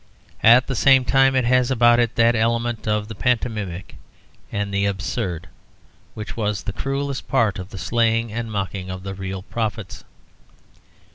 At the same time it has about it that element of the pantomimic and the absurd, which was the cruellest part of the slaying and the mocking of the real prophets.